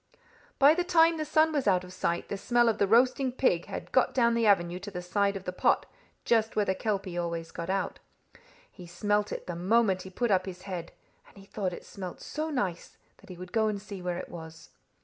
"By the time the sun was out of sight, the smell of the roasting pig had got down the avenue to the side of the pot, just where the kelpie always got out. He smelt it the moment he put up his head, and he thought it smelt so nice that he would go and see where it was.